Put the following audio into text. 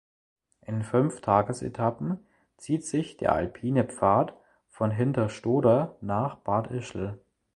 In fünf Tagesetappen zieht sich der alpine Pfad von Hinterstoder nach Bad Ischl.